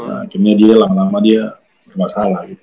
akhirnya dia lama lama dia bermasalah gitu